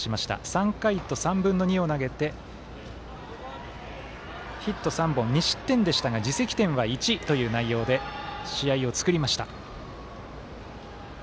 ３回と３分の２を投げてヒット３本、２失点でしたが自責点は１という内容で試合を作りました。